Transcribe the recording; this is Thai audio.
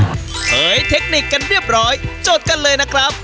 เผยเทคนิคกันเรียบร้อยจดกันเลยนะครับ